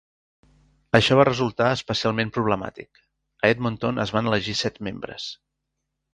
Això va resultar especialment problemàtic: a Edmonton es van elegir set membres.